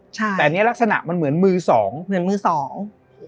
ใช่แต่อันนี้ลักษณะมันเหมือนมือสองเหมือนมือสอง